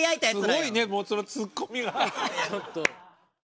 すごいねもうそのツッコミが。